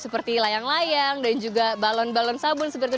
seperti layang layang dan juga balon balon sabun seperti itu